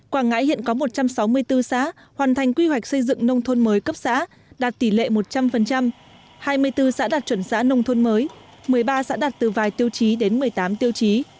quảng ngãi hiện có một trăm sáu mươi bốn xã hoàn thành quy hoạch xây dựng nông thôn mới cấp xã đạt tỷ lệ một trăm linh hai mươi bốn xã đạt chuẩn xã nông thôn mới một mươi ba xã đạt từ vài tiêu chí đến một mươi tám tiêu chí